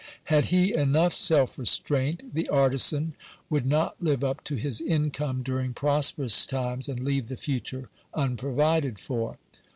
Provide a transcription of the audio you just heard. Had he enough self restraint, the artizan would not live up to his income during prosperous times and leave the future unprovided for.